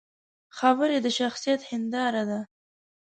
خبرې د شخصیت هنداره ده